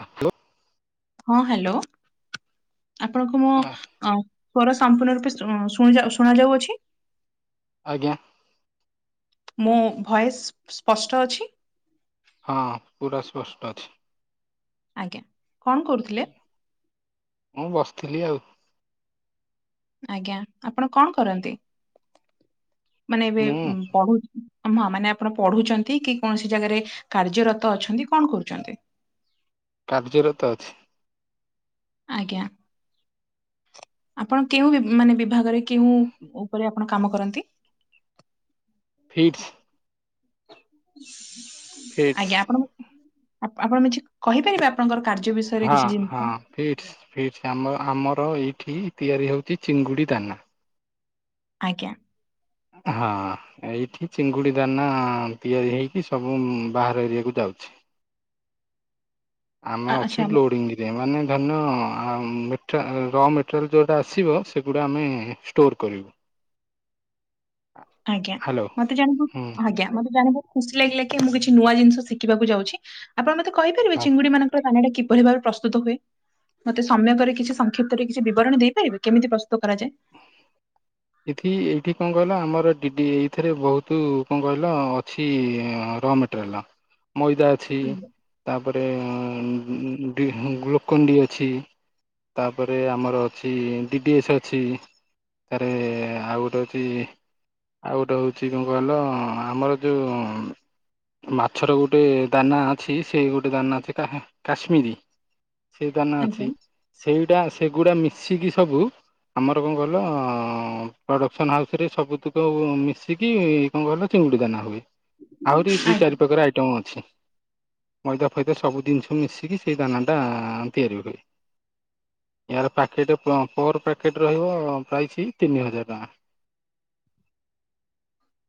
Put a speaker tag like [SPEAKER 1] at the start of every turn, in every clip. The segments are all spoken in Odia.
[SPEAKER 1] ହାଲୋ।
[SPEAKER 2] ହଁ ହ୍ୟାଲୋ ଆପଣଙ୍କୁ ମୋ ମୋର ସମ୍ପୂର୍ଣ୍ଣ ରୂପେ ଶୁ ଶୁଣା ଶୁଣାଯାଉଅଛି
[SPEAKER 1] ଆଜ୍ଞା।
[SPEAKER 2] ମୋ ଭଏସ ସ୍ପ ସ୍ପଷ୍ଟ ଅଛି?
[SPEAKER 1] ହଁ ପୁରା ସ୍ପଷ୍ଟ ଅଛି।
[SPEAKER 2] ଆଜ୍ଞା କଣ କରୁଥିଲେ?
[SPEAKER 1] ମୁଁ ବସିଥିଲି ଆଉ
[SPEAKER 2] ଆଜ୍ଞା ଆପଣ କଣ କରନ୍ତି ମାନେ ଏବେ
[SPEAKER 1] ମୁଁ
[SPEAKER 2] ପଢୁ ହଁ ମାନେ ଆପଣ ପଢୁଛନ୍ତି କି କୌଣସି ଜାଗାରେ କାର୍ଯ୍ୟରତ ଅଛନ୍ତି କଣ କରୁଛନ୍ତି?
[SPEAKER 1] କାର୍ଯ୍ୟରତ ଅଛି।
[SPEAKER 2] ଆଜ୍ଞା। ଆପଣ କେଉଁ ବି ମାନେ ବିଭାଗରେ କେଉଁ ଉପରେ ଆପଣ କାମ କରନ୍ତି?
[SPEAKER 1] ଫିଟ୍ସ୍। ଫିଟ୍ସ
[SPEAKER 2] ଆଜ୍ଞା ଆପଣ ଆପଣ ନିଜେ କହିପାରିବେ? ଆପଣଙ୍କର କାର୍ଯ୍ୟ ବିଷୟରେ
[SPEAKER 1] ହଁ
[SPEAKER 2] କିଛି ଜିନିଷ
[SPEAKER 1] ହଁ। ଫିଟ୍ସ୍ ଫିଟ୍ସ୍ ଆମ ଆମର ଏଇଠି ତିଆରି ହେଉଛି ଚିଙ୍ଗୁଡ଼ି ଦାନା।
[SPEAKER 2] ଆଜ୍ଞା।
[SPEAKER 1] ହଁ। ଏଇଠି ଚିଙ୍ଗୁଡି ଦାନା ତିଆରି ହେଇକି ସବୁ ବାହାର ଏରିଆକୁ ଯାଉଛି। ଆମେ
[SPEAKER 2] ଆ- ଆଚ୍ଛା
[SPEAKER 1] ଅଛୁ
[SPEAKER 2] ଆମ
[SPEAKER 1] ଲୋଡିଙ୍ଗି ଯେ ମାନେ ଧନ୍ୟ ର ମେଟେରିଆଲ୍ ଯୋଉଟା ଆସିବ ସେଗୁଡ଼ା ଆମେ ଷ୍ଟୋର କରିବୁ।
[SPEAKER 2] ଆଜ୍ଞା
[SPEAKER 1] ହ୍ୟାଲୋ
[SPEAKER 2] ମତେ ଜାଣିବୁ ଆଜ୍ଞା
[SPEAKER 1] ହୁଁ
[SPEAKER 2] ମତେ ଜାଣି ବହୁତ ଖୁସି ଲାଗିଲା କି ମୁଁ କିଛି ନୂଆ ଜିନିଷ ଶିଖିବାକୁ ଯାଉଛି ଆପଣ ମତେ କହିପାରିବେ ଚିଙ୍ଗୁଡିମାନଙ୍କୁ ଦାନାଟା କିପରି ଭାବେ ପ୍ରସ୍ତୁତ ହୁଏ? ମତେ ସମ୍ୟକରେ କିଛି ସଂକ୍ଷିପ୍ତରେ କିଛି ବିବରଣୀ ଦେଇପାରିବେ କେମିତି ପ୍ରସ୍ତୁତ କରାଯାଏ?
[SPEAKER 1] ଏଠି ଏଇଠି କଣ କହିଲ ଆମର ଡିଡି ଏଇଥିରେ ବହୁତୁ କଣ କହିଲ ଅଛି ର ମେଟେ ଟ୍ରେଲା ମଇଦା ଅଛି।
[SPEAKER 2] ଆଜ୍ଞା
[SPEAKER 1] ତା ପରେ ମ-ମ ଡି ଗ୍ଲୁକଣ୍ଡି ଅଛି। ତାପରେ ଆମର ଅଛି ଡିଡିଏସ୍ ଅଛି ତାରେ ଆଉ ଗୋଟେ ହୋଉଛି ଆଉ ଗୋଟେ ହେଉଛି କଣ କହିଲ ଆମର ଯୋଉ ମାଛର ଗୋଟେ ଦାନା ଅଛି ସେ ଗୋଟେ ଦାନା ଅଛି କାଶ୍ମୀରୀ। ସେ ଦାନା
[SPEAKER 2] ଆଜ୍ଞା
[SPEAKER 1] ଅଛି ସେଇଟା ସେଗୁଡା ମିଶିକି ସବୁ ଆମର କଣ କହିଲ ପ୍ରଡ଼କ୍ସନ୍ ହାଉସ୍ ରେ ସବୁତୁକ ମିଶିକି କଣ କହିଲ ଚିଙ୍ଗୁଡି ଦାନା ହୁଏ ଆହୁରି ଦି
[SPEAKER 2] ଆଜ୍ଞା।
[SPEAKER 1] ଚାରି ପକାର ଆଇଟମ ଅଛି। ମଇଦା ଫଇଦା ସବୁ ଜିନିଷ ମିଶିକି ସେଇ ଦାନାଟା ତିଆରିି ହୁଏ। ୟାର ପ୍ୟାକେଟ୍ ପର୍ ପ୍ୟାକେଟ୍ ରହିବ ପ୍ରାଇସି ତିନି ହଜାର ଟଙ୍କା।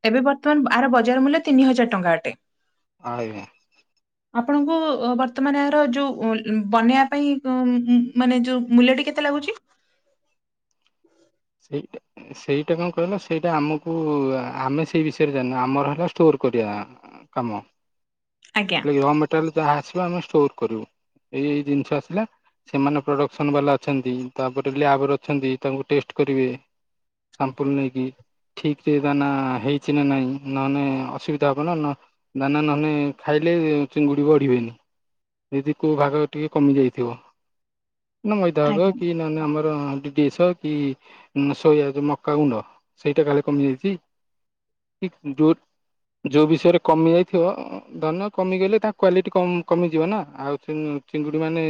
[SPEAKER 2] ଏବେ ବର୍ତ୍ତମାନ ଆର ବଜାର ମୂଲ୍ୟ ତିନି ହଜାର ଟଙ୍କା ଅଟେ।
[SPEAKER 1] ଆଜ୍ଞା।
[SPEAKER 2] [inaudible] ଆପଣଙ୍କୁ ବର୍ତ୍ତମାନ ଏହାର ଯୋଉ ବନେଇବା ପାଇଁ ମାନେ ଯୋଉ ମୂଲ୍ୟଟି କେତେ ଲାଗୁଛି?
[SPEAKER 1] ସେଇଟା ସେଇଟା କଣ କହିଲ ସେଇଟା ଆମକୁ ଆମେ ସେଇ ବିଷୟରେ ଜାଣିନୁ ଆମର ହେଲା ଷ୍ଟୋର କରିବା। କାମ।
[SPEAKER 2] ଆଜ୍ଞା।
[SPEAKER 1] ର ହେଲେ ମେଟୋରିଆଲ ଯାହା ଆସିବ ଆମେ ଷ୍ଟୋର କରିବୁ ଏଇ ଏଇ ଜିନିଷ ଆସିଲା ସେମାନେ ପ୍ରଡ଼କ୍ସନ୍ ବାଲା ଅଛନ୍ତି ତାପରେ ଲ୍ୟାବରେ ଅଛନ୍ତି ତାଙ୍କୁ ଟେଷ୍ଟ କରିବେ। ଶାମ୍ପୂଲ୍ ନେଇକି। ଠିକ ରେ ଦାନା ହେଇଛି ନା ନାଇଁ ନହେଲେ ଅସୁବିଧା ହବ ନା ଦାନା ନହେଲେ ଖାଇଲେ ଚିଙ୍ଗୁଡି ବଢିବେନି ଯଦି କୋଉ ଭାଗ ଟିକେ କମି ଯାଇଥିବ। ନା ମଇଦା ଭାଗ
[SPEAKER 2] ଆଜ୍ଞା
[SPEAKER 1] କି ନହେନେ ଆମର ଟିଡିଏସ କି ସୋୟା ଯୋଉ ମକା ଗୁଣ୍ଡ। ସେଇଟା କାଲେ କମିଯାଇଛି? ଠିକ ଯୋଉ ଯୋଉ ବିଷୟରେ କମି ଯାଇଥିବ ଧରିନିଅ କମିଗଲେ ତାଙ୍କ କ୍ୱଵାଲିଟି କମିଯିବ ନା ଆଉ ଚିଙ୍ଗୁଡ଼ି ମାନେ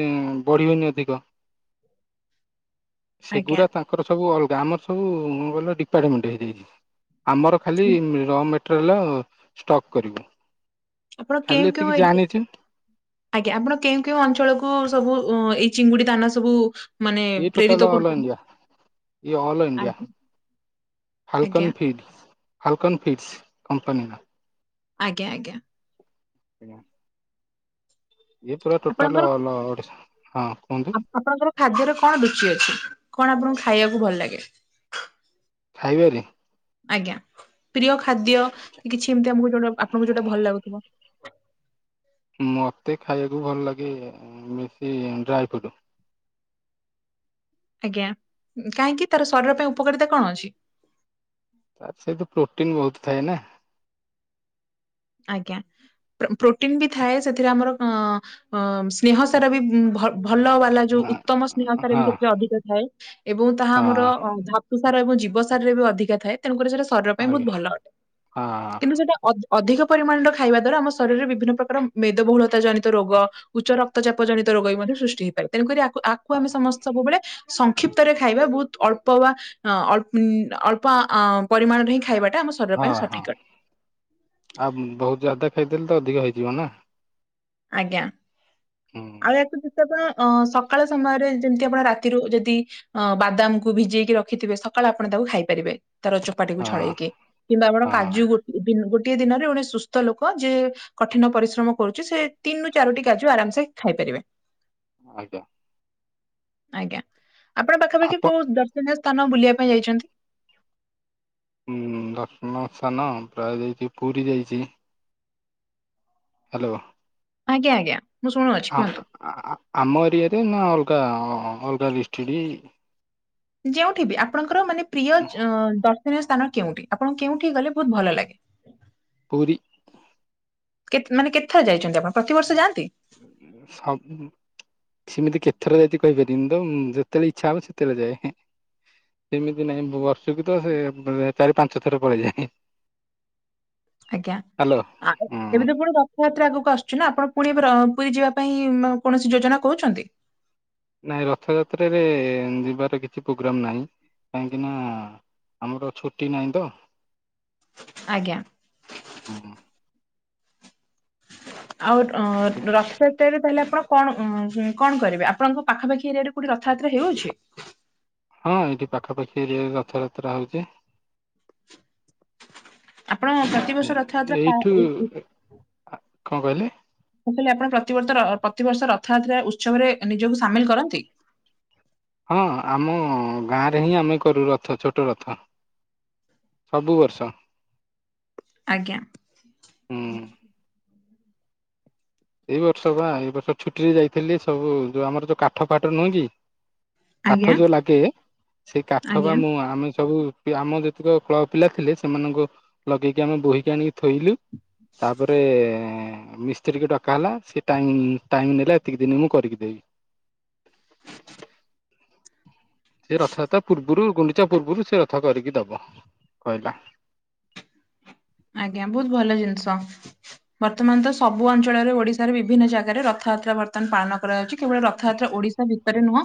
[SPEAKER 1] ବଢ଼ିବେନି ଅଧିକ।
[SPEAKER 2] [inaudible] ଆଜ୍ଞା
[SPEAKER 1] ସେଗୁଡା ତା ତାଙ୍କର ସବୁ ଅଲଗା ଆମର ସବୁ କଣ କହିଲ ଡିପାର୍ମଣ୍ଟ ହେଇଯାଇଛି ଆମର ଖାଲି ର ମେ ମିଟରାଲ ଷ୍ଟକ୍ କରିବୁ।
[SPEAKER 2] ଆପଣ
[SPEAKER 1] ଖାଲି
[SPEAKER 2] କେଉଁ
[SPEAKER 1] ଏତିକି
[SPEAKER 2] କେଉଁ ଏରି
[SPEAKER 1] ଜାଣିଛି
[SPEAKER 2] ଆଜ୍ଞା ଆପଣ କେଉଁ କେଉଁ ଅଞ୍ଚଳ କୁ ସବୁ ଏଇ ଚିଙ୍ଗୁଡି ଦାନା ସବୁ ମାନେ
[SPEAKER 1] ଏଇ
[SPEAKER 2] ପ୍ରେରିତ
[SPEAKER 1] ଟୋଟଲ ଅଲ
[SPEAKER 2] କରୁଛନ୍ତି
[SPEAKER 1] ଇଣ୍ଡିଆ ଇଏ ଅଲ ଇଣ୍ଡିଆ।
[SPEAKER 2] ଆଜ୍ଞା ଆଜ୍ଞା
[SPEAKER 1] ହାଲକାନ ଫିଡ୍ ହାଲକାନ ଫିଡ୍ସ କୋମ୍ପାନୀ ନା।
[SPEAKER 2] ଆଜ୍ଞା ଆଜ୍ଞା।
[SPEAKER 1] [inaudible] ଇଏ ପୁରା ଟୋଟାଲ
[SPEAKER 2] ଆପଣଙ୍କର
[SPEAKER 1] ଅଲ ଓଡ଼ିଶା ହଁ କୁହନ୍ତୁ?
[SPEAKER 2] ଆପଣଙ୍କର ଖାଦ୍ୟର କଣ ରୁଚି ଅଛି କଣ ଆପଣଙ୍କୁ ଖାଇବାକୁ ଭଲ ଲାଗେ?
[SPEAKER 1] ଖାଇବା ପାଇ।
[SPEAKER 2] ଆଜ୍ଞା ପ୍ରିୟ ଖାଦ୍ୟ କି କିଛି ଏମତି ଆମକୁ ଯୋଉ ଆପଣଙ୍କୁ ଯୋଉଟା ଭଲ ଲାଗୁଥିବ?
[SPEAKER 1] ମତେ ଖାଇବାକୁ ଭଲ ଲାଗେ ବେଶି ଡ୍ରାଏ ଫ୍ରୁଟ।
[SPEAKER 2] ଆଜ୍ଞା କାହିଁକି ତାର ଶରୀର ପାଇଁ ଉପକାରିତା କଣ ଅଛି?
[SPEAKER 1] ସିଏ ତ ପ୍ରୋଟିନ ବହୁତ ଥାଏ ନା।
[SPEAKER 2] ଆଜ୍ଞା ପ୍ରୋଟିନ ବି ଥାଏ ସେଥିରେ ଆମର ସ୍ନେହ ସାରା ବି ଭଲ ବାଲା ଯୋଉ
[SPEAKER 1] ହଁ
[SPEAKER 2] ଉତ୍ତମ ସ୍ନେହତାରେ ବି ସେଥିରେ ଅଧିକ ଥାଏ ଏବଂ ତାହା ଆମର
[SPEAKER 1] ହଁ
[SPEAKER 2] ସାର ଏବଂ ଜୀବସାରରେ ବି ଅଧିକା ଥାଏ ତେଣୁକରି ସେଟାରୀର ପାଇଁ ବହୁତ
[SPEAKER 1] ଆଜ୍ଞା
[SPEAKER 2] ଭଲ। ଅଟେ
[SPEAKER 1] ହଁ
[SPEAKER 2] କିନ୍ତୁ ସେଟା ଅଧିକ ପରିମାଣ ର ଖାଇବା ଦ୍ଵାରା ଆମ ଶରୀରରେ ବିଭିନ୍ନ ପ୍ରକାର ମେଦବହୁଳତା ଜନିତ ରୋଗ ଉଚ୍ଚ ରକ୍ତଚାପ ଜନିତ ରୋଗ ବି ମଧ୍ୟ ସୃଷ୍ଟି ହେଇପାରେ। ତେଣୁକରି ଆକୁ ଆମେ ସମସ୍ତେ ସବୁବେଳେ ସଂକ୍ଷିପ୍ତରେ ଖାଇବା ବହୁତ ଅଳ୍ପ ବା ଅ ଅଳ ଅଳ୍ପ ପରିମାଣରେ ହିଁ ଖାଇବାଟା ଶରୀର
[SPEAKER 1] ହଁ
[SPEAKER 2] ପାଇଁ
[SPEAKER 1] ହଁ
[SPEAKER 2] ସଠିକ ଅଟେ
[SPEAKER 1] ଆଉ ବହୁତ ଯାଦା ଖାଇଦେଲେ ତ ଅଧିକ ହେଇଯିବ ନା।
[SPEAKER 2] ଆଜ୍ଞା।
[SPEAKER 1] ହୁଁ
[SPEAKER 2] ଆଉ ଏକକୁ ଜିନ ଆପଣ ଅ ସକାଳ ସମୟରେ ଯେମିତି ଆପଣ ରାତିରୁ ଯଦି ଅ ବାଦାମ କୁ ଭିଜେଇକି ରଖିଥିବେ ସକାଳୁ ଆପଣ ତାକୁ ଖାଇ ପାରିବେ ତାର ଚୋପାଟିକୁ
[SPEAKER 1] ହଁ
[SPEAKER 2] ଛଡେଇକି। କିମ୍ବା ଆପଣ
[SPEAKER 1] ହଁ
[SPEAKER 2] କାଜୁ ଦ ଗୋଟିଏ ଦିନରେ ଗଟେ ସୁସ୍ଥ ଲୋକ ଯେ କଠିନ ପରିଶ୍ରମ କରୁଛି ସେ ତିନ ରରୁ ଚାରୋଟି କାଜୁ ଆରାମସେ ଖାଇପାରିବେ।
[SPEAKER 1] ଆଜ୍ଞା।
[SPEAKER 2] ଆଜ୍ଞା ଆପଣ ପାଖାପାଖି
[SPEAKER 1] ଆପ
[SPEAKER 2] କୋଉ ଦର୍ଶନୀୟ ସ୍ଥାନ ବୁଲିବା ପାଇଁ ଯାଇଛନ୍ତି?
[SPEAKER 1] ଦତ୍ଣ ସ୍ଥାନ ପ୍ରାୟ ଦେଇଛି ପୁରୀ ଯାଇଛି। ହ୍ୟାଲୋ।
[SPEAKER 2] ଆଜ୍ଞା ଆଜ୍ଞା। ମୁଁ ଶୁଣୁଅଛି
[SPEAKER 1] ଆ
[SPEAKER 2] କୁହନ୍ତୁ।
[SPEAKER 1] ଆମ ଏରିଆରେ ନା ଅଲଗା ଅଲଗା ଲିଷ୍ଡିଡ଼ି?
[SPEAKER 2] ଯେଉଠି ବି ଆପଣଙ୍କର ମାନେ ପ୍ରିୟ ଦର୍ଶନୀୟ ସ୍ଥାନ କେଉଠି ଆପଣଙ୍କୁ କେଉଁଠି ଗଲେ ବହୁତ ଭଲ ଲାଗେ?
[SPEAKER 1] ପୁରୀ।
[SPEAKER 2] କେତେ ମାନେ କେତଥର ଯାଇଛନ୍ତି ଆପଣ ପ୍ରତିବର୍ଷ ଯାଆନ୍ତି?
[SPEAKER 1] ସବ [inaudible] ସେମିତି କେତଥର ଯାଇଚି କହିପାରିବିନି ତ ଯେତେବେଳେ ଇଚ୍ଛା ହବ ସେତେବେଳେ ଯାଏ। ସେମିତି ନାଇଁ ବର୍ଷୁକ ତ ସେ ବ ଚାରି ପାଞ୍ଚ ଥର ପଳେଇଯାଏ।
[SPEAKER 2] ଆଜ୍ଞା
[SPEAKER 1] ହ୍ୟାଲୋ
[SPEAKER 2] ଆ
[SPEAKER 1] ହୁଁ
[SPEAKER 2] ଏମିତି ପୁଣି ରଥଯାତ୍ରା ଆଗକୁ ଆସୁଚି ନା ଆପଣ ପୁଣି ପୁରୀ ଯିବା ପାଇଁ କୌଣସି ଯୋଜନା କହୁଛନ୍ତି?
[SPEAKER 1] ନାଇଁ ରଥଯାତ୍ରାରେ ଯିବାର କିଛି ପ୍ରୋଗ୍ରମ୍ ନାହିଁ କାହିଁକି ନା ଆମର ଛୁଟି ନାହିଁତ।
[SPEAKER 2] ଆଜ୍ଞା।
[SPEAKER 1] ହୁଁ ହୁଁ।
[SPEAKER 2] ଆଉ ଅ
[SPEAKER 1] ଠିକ୍।
[SPEAKER 2] ରଥ ତାହଲେ ଆପଣ କଣ ଅଁ ହ କଣ କରିବେ ଆପଣଙ୍କ ପାଖାପାଖି ଏରିଆ ରେ କୋଉଠି ରଥଯାତ୍ରା ହେଉଛି?
[SPEAKER 1] ହଁ ଏଇଠି ପାଖାପାଖି ଏରିଆରେ ରଥଯାତ୍ରା ହଉଛି।
[SPEAKER 2] ଆପଣ ପ୍ରତିବର୍ଷ ରଥଯାତ୍ରା ପା
[SPEAKER 1] ଏଇଠୁ
[SPEAKER 2] ଉ ଉ
[SPEAKER 1] କଣ କହିଲେ?
[SPEAKER 2] ଲେ ଆପଣ ପ୍ରତିବର୍ ଅ ପ୍ରତିବର୍ଷ ରଥଯାତ୍ରା ଉତ୍ସବରେ ନିଜକୁ ସାମିଲ କରନ୍ତି?
[SPEAKER 1] ହଁ ଆମ ଗାଁ ରେ ହିଁ ଆମେ କରୁ ରଥ ଛୋଟ ରଥ। ସବୁ ବର୍ଷ।
[SPEAKER 2] ଆଜ୍ଞା।
[SPEAKER 1] ଉଁ। ଏଇ ବର୍ଷ ବା ଏଇ ବର୍ଷ ଛୁଟିରେ ଯାଇଥିଲି ସବୁ ଯୋଉ ଆମର ଯୋଉ କାଠ ଫାଠ ନୁହେଁ କି?
[SPEAKER 2] ଆଜ୍ଞା
[SPEAKER 1] କାଠ ଯୋଉ ଲାଗେ ସେଇ କାଠ ବା
[SPEAKER 2] ଆଜ୍ଞା
[SPEAKER 1] ମୁଁ ଆମେ ସବୁ ଆମ ଯେତିକ କ୍ଲବ ପିଲା ଥିଲେ ସେମାନଙ୍କୁ ଲଗେଇକି ଆମେ ବୋହିକି ଆଣିକି ଥୋଇଲୁ ତାପରେ ଅ ମିସ୍ତ୍ରୀକୁ ଡ଼ା କାଲା ସେ ଟାଇ ଟାଇମ ନେଲା ଏତିକି ଦିନ ମୁଁ କରିକି ଦେବି। ସେ ରଥଯାତ୍ରା ପୁର୍ବୁରୁ ଗୁଣ୍ଡିଚା ପୁର୍ବୁରୁ ସେ ରଥ କରିକି ଦବ କହିଲା।
[SPEAKER 2] ଆଜ୍ଞା ବହୁତ ଭଲ ଜିନିଷ। ବର୍ତ୍ତମାନ ତ ସବୁ ଅଞ୍ଚଳରେ ଓଡ଼ିଶାରେ ବିଭିନ୍ନ ଜାଗାରେ ରଥଯାତ୍ରା ବର୍ତ୍ତମାନ ପାଳନ କରାଯାଉଚି। କେବଳ ରଥଯାତ୍ରା ଓଡ଼ିଶା ଭିତରେ ନୁହଁ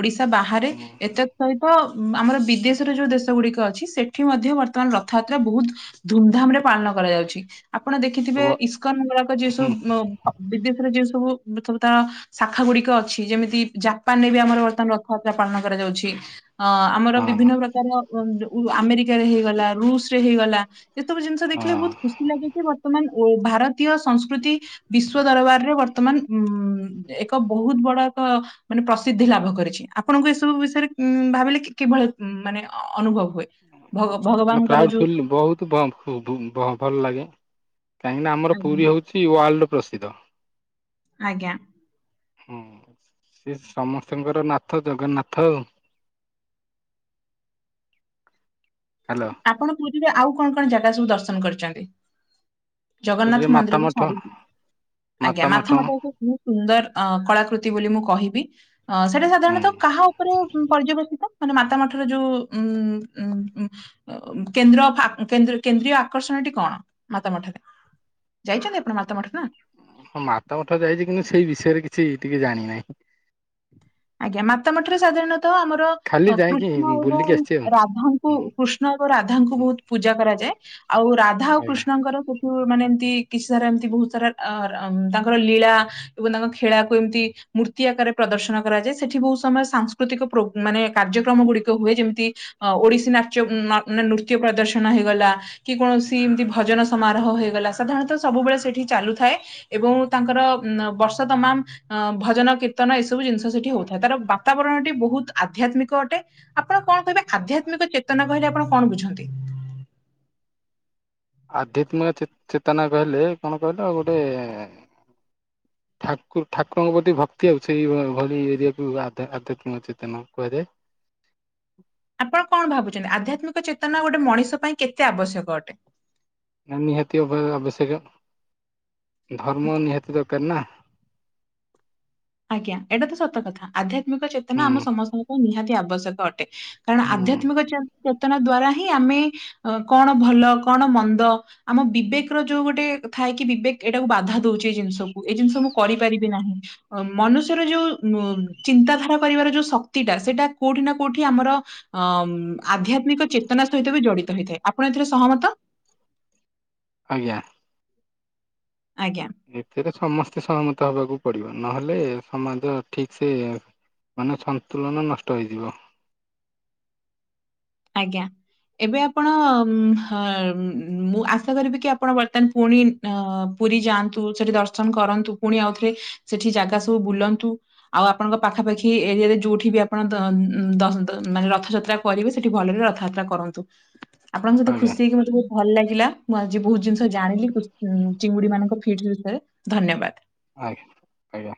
[SPEAKER 2] ଓଡିଶା ବାହାରେ
[SPEAKER 1] ହୁଁ
[SPEAKER 2] ଏତେ ସହିତ ଆମର ବିଦେଶରେ ଯୋଉ ଦେଶ ଗୁଡିକ ଅଛି ସେଠି ମଧ୍ୟ ବର୍ତ୍ତମାନ ରଥଯାତ୍ରା ବହୁତ ଧୁମଧାମରେ ପାଳନ କରାଯାଉଛି ଆପଣ ଦେଖିଥିବେ
[SPEAKER 1] ହୁଁ
[SPEAKER 2] ଇସ୍କନ ଗୁରାକ ଯିଏ
[SPEAKER 1] ହୁଁ
[SPEAKER 2] ସବୁ ଅଁ ଅ ବିଦେଶେରେ ଯେଉ ସବୁ ସବୁ ତା ଶାଖା ଗୁଡିକ ଅଛି ଯେମିତିକି ଜାପାନରେ ବି ଆମର ବର୍ତ୍ତମାନ ର ଥ ଯାତ୍ରା ପାଳନ କରାଯାଉଛି ଅ ଆମର ବିଭିନ୍ନ
[SPEAKER 1] ହଁ
[SPEAKER 2] ପ୍ରକାର ବ ଯୋଉ ଉ ଆମେରିକାରେ ହେଇଗଲା ରୁଷ ରେ ହେଇଗଲା ଏସବୁ ଜିନିଷ
[SPEAKER 1] ହଁ।
[SPEAKER 2] ଦେଖିଲେ ବହୁତ ଖୁସ୍ ସି ଲାଗେ କି ବର୍ତ୍ତମାନ ଏ ଭାରତୀୟ ସଂସ୍କୃତି ବିଶ୍ଵ ଦରବାରରେ ବର୍ତ୍ତମାନ ଉ ଏକ ବହୁତ ବଡ ଏକ ମାନେ ପ୍ରସିଦ୍ଧି ଲାଭ କରିଛି ଆପଣଙ୍କୁ ଏସବୁ ବିଷୟରେ ଉଁ ଭାବିଲେ କି-କିଭଳିଆ ମାନେ ଅନୁଭବ ହୁଏ?
[SPEAKER 1] ଉ
[SPEAKER 2] ଭଗ
[SPEAKER 1] ମାନେ
[SPEAKER 2] ଭଗବାନଙ୍କର
[SPEAKER 1] ପ୍ରାଉଡ
[SPEAKER 2] ଯୋଉ
[SPEAKER 1] ଫିଲ୍ ବହୁତ ବ ବୁ-ବୁ-ବ-ଭଲ ଲାଗେ କାହିଁକି ନା ଆମର
[SPEAKER 2] ଆଜ୍ଞା
[SPEAKER 1] ପୁରୀ ହଉଚି ୱାର୍ଲଡ ପ୍ରସିଦ୍ଧ।
[SPEAKER 2] ଆଜ୍ଞା।
[SPEAKER 1] ହୁଁ ସେ ସମସ୍ତଙ୍କର ନାଥ ଜଗନ୍ନାଥ। ହାଲୋ।
[SPEAKER 2] ଆପଣ ପୁରୀରେ ଆଉ କଣ କଣ ଜାଗା ସବୁ ଦର୍ଶନ କରିଚନ୍ତି?
[SPEAKER 1] ପୁରୀରେ
[SPEAKER 2] ଜଗନ୍ନାଥ
[SPEAKER 1] ମାତା
[SPEAKER 2] ମନ୍ଦିର କୁ
[SPEAKER 1] ମଠ
[SPEAKER 2] ଛାଡିକି ଆଜ୍ଞା ମାଥ ମଠ କୁ ମୁଁ ସୁନ୍ଦର ଅ କଳାକୃତି ବୋଲି ମୁଁ କହିବି ଅ ସେଇଟା
[SPEAKER 1] ହୁଁ।
[SPEAKER 2] ସାଧାରଣତଃ କାହା ଉପରେ ଉଁ ପର୍ଯ୍ୟବେସିତ? ମାନେ ମାତା ମଠରେ ଯୋଉ ଉଁ ଉଁ ଉଁ ଅ ଉଁ କେନ୍ଦ୍ର ଫା କେନ୍ଦ୍ର କେନ୍ଦ୍ରୀୟ ଆକର୍ଷଣଟି କଣ ମାତା ମଠରେ? ଯାଇଚନ୍ତି ଆପଣ ମାତା ମଠ ନା?
[SPEAKER 1] ହଁ ମାତା ମଠ ଯାଇଚି କିନ୍ତୁ ସେଇ ବିଷୟରେ କିଛି ଟିକେ ଜାଣିନାହିଁ।
[SPEAKER 2] ଆଜ୍ଞା ମାତା ମଠରେ ସାଧାରଣତଃ ଆମର
[SPEAKER 1] ଖାଲି
[SPEAKER 2] ଅ
[SPEAKER 1] ଯାଇକି
[SPEAKER 2] କୃଷ୍ଣ
[SPEAKER 1] ବୁଲିକି
[SPEAKER 2] ଏବଂ
[SPEAKER 1] ଆସିଛି ଆଉ।
[SPEAKER 2] ରାଧାଙ୍କୁ
[SPEAKER 1] ହୁଁ
[SPEAKER 2] କୃଷ୍ଣ ଏବଂ ରାଧାଙ୍କୁ ବହୁତ ପୂଜା କରାଯାଏ। ଆଉ ରାଧା ଆଉ
[SPEAKER 1] ଆଜ୍ଞା
[SPEAKER 2] କୃଷ୍ଣଙ୍କର କୁ କୁ ମାନେ ଏମତି କିଛି ସାରା ଏମତି ବହୁତ ସାରା ଅ ଉଁ ତାଙ୍କର ଲୀଳା ଏବଂ ତାଙ୍କ ଖେଳାକୁ ଏମତି ମୂର୍ତ୍ତି ଆକାରରେ ପ୍ରଦର୍ଶନ କରାଯାଏ ସେଠି ବହୁତ ସମୟ ସାଂସ୍କୃତିକ ପ୍ରୋ ମାନେ କାର୍ଯ୍ୟକ୍ରମ ଗୁଡିକ ହୁଏ ଯେମିତି ଅ ଓଡିଶୀ ନାଚ ଉଁ ଅ ମାନେ ନୃତ୍ୟ ପ୍ରଦର୍ଶନ ହେଇଗଲା। କି କୌଣସି ଏମତି ଭଜନ ସମାରୋହ ହେଇଗଲା ସାଧାରଣତଃ ସବୁବେଳେ ସେଠି ଚାଲୁଥାଏ। ଏବଂ ତାଙ୍କର ଉଁ ବର୍ଷ ତମାମ ଅଁ ଭଜନ କୀର୍ତ୍ତନ ଏସବୁ ଜିନିସ୍ ତ ସେଠି ହଉଥାଏ ତାର ବାତାବରଣଟି ବହୁତ ଆଧ୍ୟାତ୍ମିକ ଅଟେ ଆପଣ କଣ କହିବେ ଆଧ୍ୟାତ୍ମିକ ଚେ ତନା କହିଲେ ଆପଣ କଣ ବୁଝନ୍ତି?
[SPEAKER 1] ଆଧ୍ୟାତ୍ମିକ ଚେ-ଚେତନା କହିଲେ କଣ କହିଲ ଆଉ ଗୋଟେ
[SPEAKER 2] ହୁଁ
[SPEAKER 1] ଠାକୁ ଠାକୁରଙ୍କ ପ୍ରତି ଭକ୍ତି ଆଉ ସେଇ ଭ ଭଳି ଏରିଆକୁ ଆଧ୍ୟା-ଆଧ୍ୟାତ୍ମିକ ଚେତନା କୁହାଯାଏ।
[SPEAKER 2] ଆପଣ କଣ ଭାବୁଚନ୍ତି ଆଧ୍ୟାତ୍ମିକ ଚେତନା ଗୋଟେ ମଣିଷ ପାଇଁ କେତେ ଆବଶ୍ୟକ ଅଟେ?
[SPEAKER 1] ନିହାତି ଅବ-ଆବଶ୍ୟକ ଧର୍ମ ନିହାତି ଦରକାର ନା।
[SPEAKER 2] ଆଜ୍ଞା ଏଇଟା ତ ସତ କଥା ଆଧ୍ୟାତ୍ମିକ ଚେତନା
[SPEAKER 1] ହୁଁ
[SPEAKER 2] ଆମ ସମସ୍ତଙ୍କ ପାଇଁ ନିହାତି ଆବଶ୍ୟକ ଅଟେ। କାରଣ
[SPEAKER 1] ହୁଁ
[SPEAKER 2] ଆଧ୍ୟାତ୍ମିକ ଚେ-ଚେତନା ଦ୍ଵାରା ହିଁ ଆମେ ଅ କଣ ଭଲ କଣ ମନ୍ଦ ଆମ ବିବେକ ର ଯୋଉ ଗୋଟେ ଥାଏ କି ବିବେକ ଏଇଟାକୁ ବାଧା ଦଉଚି ଏଇ ଜିନିଷକୁ ଏଇ ଜିନିଷ ମୁଁ କରିପାରିବି ନାହିଁ। ଅ ମନୁଷ୍ୟର ଯୋଉ ଉଁ ଚିନ୍ତାଧାରା କରିବାର ଯୋଉ ଶକ୍ତିଟା ସେଇଟା କୋଉଠି ନା କୋଉଠି ଆମର ଅ ଆଧ୍ୟାତ୍ମିକ ଚେତନା ସହିତ ବି ଜଡିତ ହେଇଥାଏ ଆପଣ ଏଥିରେ ସହମତ।
[SPEAKER 1] ଆଜ୍ଞା
[SPEAKER 2] ଆଜ୍ଞା
[SPEAKER 1] ଏଥିରେ ସମସ୍ତେ ସହମତ ହବାକୁ ପଡିବ ନହେଲେ ସମାଜ ଠିକ ସେ ମାନେ ସନ୍ତୁଳନ ନଷ୍ଟ ହେଇଯିବ।
[SPEAKER 2] ଆଜ୍ଞା ଏବେ ଆପଣ ମୁଁ ଆଶା କରିବି କି ଆପଣ ବର୍ତ୍ତମାନ ପୁଣି ଅ ପୁରୀ ଯାଆନ୍ତୁ ସେଠି ଦର୍ଶନ କରନ୍ତୁ ପୁଣି ଆଉଥରେ ସେଠି ଜାଗା ସବୁ ବୁଲନ୍ତୁ। ଆଉ ଆପଣଙ୍କ ପାଖାପାଖି ଏରିଆରେ ଯୋଉଠି ବି ଆପଣ ମାନେ ରଥଯାତ୍ରା କରିବେ। ସେଠି ଭଲରେ ରଥଯାତ୍ରା କରନ୍ତୁ ଆପଣଙ୍କ ସହିତ
[SPEAKER 1] ଆଜ୍ଞା
[SPEAKER 2] ଖୁସି ହେଇକି ମତେହୁ ଭଲ ଲାଗିଲା ମୁଁ ଆଜି ବହୁତ ଜିନିଷ ଜାଣିଲି ଚିଙ୍ଗୁଡି ମାନଙ୍କ ଫିଟ ବିଷୟରେ ଧନ୍ୟବାଦ।
[SPEAKER 1] ଆଜ୍ଞା ଆଜ୍ଞା